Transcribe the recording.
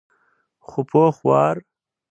خو پوخ وار.